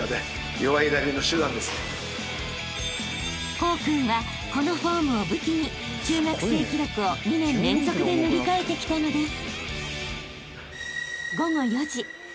［功君はこのフォームを武器に中学生記録を２年連続で塗り替えてきたのです］